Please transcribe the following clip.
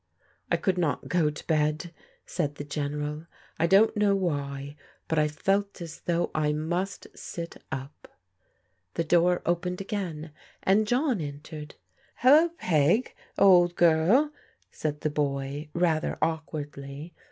I could not go to bed," said the General. " I don't know why, but I felt as thou|^ I must sit up." The door opened again, and John entered. Hello, Peg, old girl !" said the boy rather awkwardly.